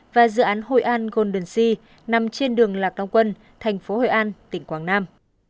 và dự án hội an golden sea nằm trên đường lạc long quân thành phố hội an tỉnh quảng nam